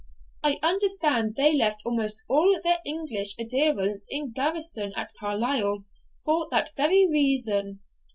I understand they left almost all their English adherents in garrison at Carlisle, for that very reason.